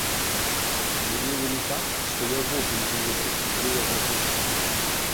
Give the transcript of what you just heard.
Мяне вялі так, што я ўвогуле не ведаў, дзе я знаходзіўся.